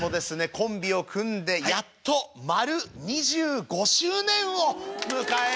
コンビを組んでやっと丸２５周年を迎えることができました。